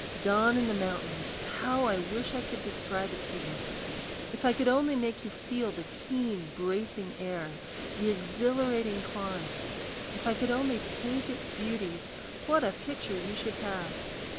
Dawn in the mountains how I wish I could describe it to you! If I could only make you feel the keen, bracing air, the exhilarating climb; if I could only paint its beauties, what a picture you should have!